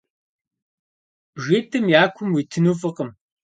Бжитӏым я кум уитыну фӏыкъым.